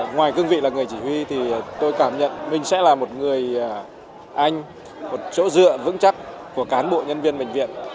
ngoài cương vị là người chỉ huy thì tôi cảm nhận mình sẽ là một người anh một chỗ dựa vững chắc của cán bộ nhân viên bệnh viện